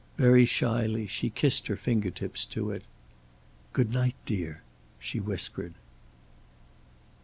Very shyly she kissed her finger tips to it. "Good night, dear," she whispered.